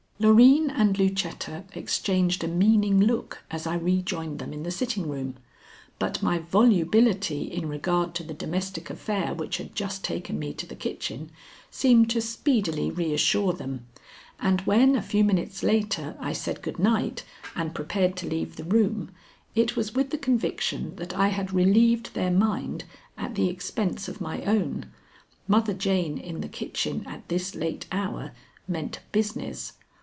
Loreen and Lucetta exchanged a meaning look as I rejoined them in the sitting room; but my volubility in regard to the domestic affair which had just taken me to the kitchen seemed to speedily reassure them, and when a few minutes later I said good night and prepared to leave the room, it was with the conviction that I had relieved their mind at the expense of my own. Mother Jane in the kitchen at this late hour meant business.